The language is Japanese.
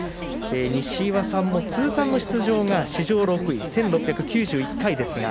西岩さんの通算出場が史上６位１６９１回です。